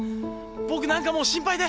僕何かもう心配で。